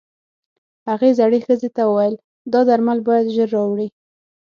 هغې زړې ښځې ته وويل دا درمل بايد ژر راوړې.